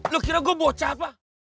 lu kira gue bocah pak